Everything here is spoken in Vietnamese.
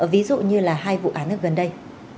ví dụ như là hai vụ án ở gần đây